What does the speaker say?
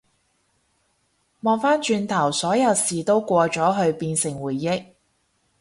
望返轉頭，所有事都過咗去變成回憶